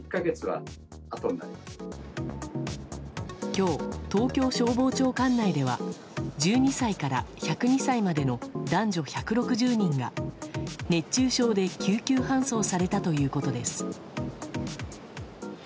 今日、東京消防庁管内では１２歳から１０２歳までの男女１６０人が熱中症で救急搬送されたということです。